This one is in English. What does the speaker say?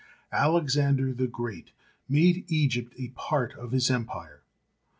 Alexander the Great made Egypt a part of his empire.